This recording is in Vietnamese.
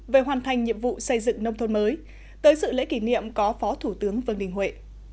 về hoàn thành nhiệm vụ xây dựng nông thôn mới tới sự lễ kỷ niệm có phó thủ tướng vương đình huệ